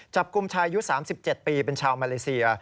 จับกุมชายยุทธ์๓๗ปีเป็นชาวมาเลเซีย